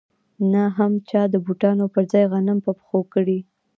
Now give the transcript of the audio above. نه هم چا د بوټانو پر ځای غنم په پښو کړي